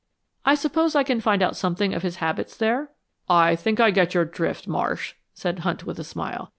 "I suppose I can find out something of his habits there." "I think I get your drift, Marsh," said Hunt, with a smile.